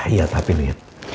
iya tapi liet